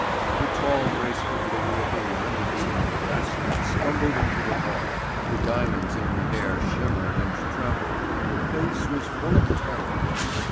The tall, graceful figure of a woman in evening dress stumbled into the hall. The diamonds in her hair shimmered and trembled, her face was full of terror.